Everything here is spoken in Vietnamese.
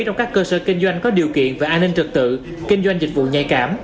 trong các cơ sở kinh doanh có điều kiện về an ninh trật tự kinh doanh dịch vụ nhạy cảm